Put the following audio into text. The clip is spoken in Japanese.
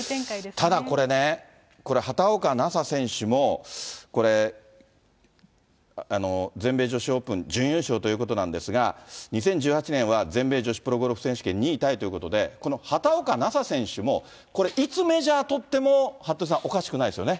ただこれね、畑岡菜紗選手も、これ、全米女子オープン準優勝ということなんですが、２０１８年は全米女子プロゴルフ選手権２位タイということで、この畑岡奈紗選手もこれ、いつメジャー取っても服部さん、おかしくないですよね。